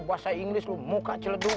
bahasa inggris lu muka celedug